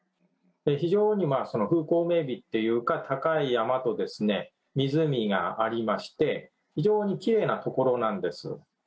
非常に風光明媚っていうか、高い山と湖がありまして、非常にきれいな所なんです。